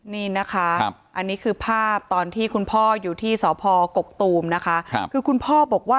นี่นะคะอันนี้คือภาพตอนที่คุณพ่ออยู่ที่สภกกตูมนะคะ